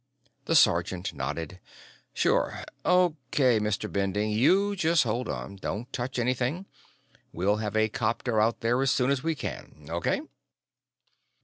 The sergeant nodded. "Sure. O.K., Mr. Bending; you just hold on. Don't touch anything; we'll have a copter out there as soon as we can. O.K.?"